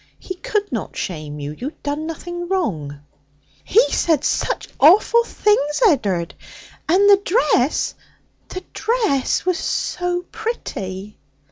He could not shame you. You had done nothing wrong.' 'He said such awful things, Ed'ard, and the dress the dress was so pretty.'